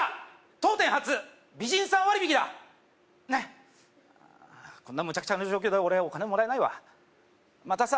当店初美人さん割引だねっこんなムチャクチャな状況で俺お金もらえないわまたさ